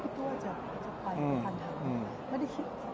พี่คิดว่าเข้างานทุกครั้งอยู่หรือเปล่า